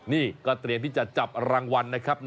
นี่ก็เตรียมที่จะจับรางวัลนะครับ